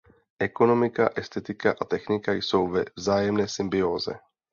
Ekonomika, estetika a technika jsou ve vzájemné symbióze.